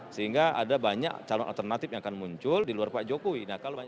sehingga ada banyak calon alternatif yang akan muncul di luar pak jokowi